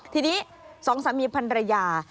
ทีนี้สองสามีพันรยา